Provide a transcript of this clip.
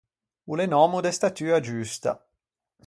O l’é un òmmo de statua giusta.